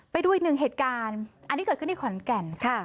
ไปดูอีกหนึ่งเหตุการณ์อันนี้เกิดขึ้นที่ขอนแก่นค่ะ